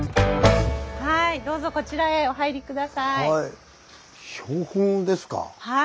はいどうぞこちらへお入り下さい。